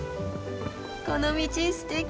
この道すてき！